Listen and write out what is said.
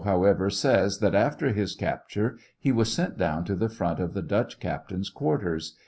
771 ever, says that after his capture he was sent down to the front of the " Dutch Captain's " quarters.